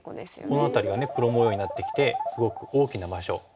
この辺りが黒模様になってきてすごく大きな場所。